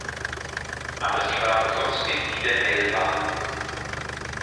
Aber sie waren trotzdem wieder hellwach.